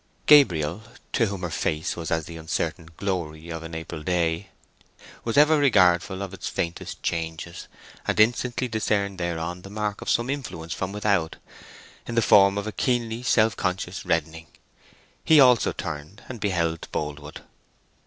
Gabriel, to whom her face was as the uncertain glory of an April day, was ever regardful of its faintest changes, and instantly discerned thereon the mark of some influence from without, in the form of a keenly self conscious reddening. He also turned and beheld Boldwood.